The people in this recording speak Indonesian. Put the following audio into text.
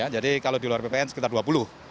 jadi kalau di luar ppn sekitar rp dua puluh